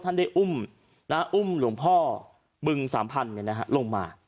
ท่านได้อุ้มอุ้มหลวงพ่อบึงสามพันธุ์ลงมา